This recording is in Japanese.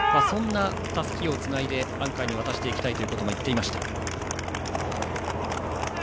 たすきをつないでアンカーに渡していきたいと言っていました。